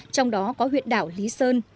trong đó có huyện đảo lý sơn